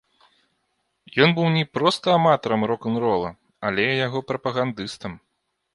Ён быў не проста аматарам рок-н-рола, але і яго прапагандыстам.